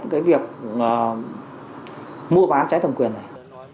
cái việc mua bán trái thẩm quyền này